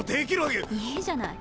いいじゃない。